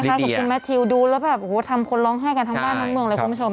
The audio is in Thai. กับคุณแมททิวดูแล้วแบบโอ้โหทำคนร้องไห้กันทั้งบ้านทั้งเมืองเลยคุณผู้ชม